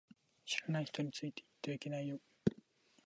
知らない人についていってはいけないよ